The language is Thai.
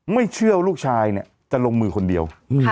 ไม่เชื่อว่าลูกชายเนี่ยจะลงมือคนเดียว